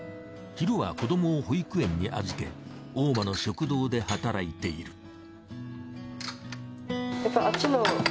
昼は子どもを保育園に預け大間の食堂で働いている。